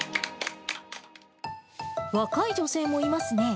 若い女性もいますね。